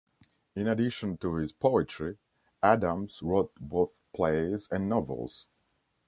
In addition to his poetry, Adams wrote both plays and novels.